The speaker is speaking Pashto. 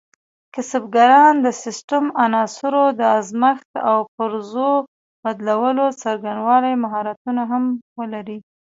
کسبګران د سیسټم عناصرو د ازمېښت او پرزو بدلولو څرنګوالي مهارتونه هم ولري.